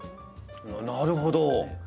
なるほど！